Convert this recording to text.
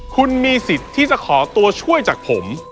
คุณมีสิทธิ์ที่จะขอตัวช่วยจากผม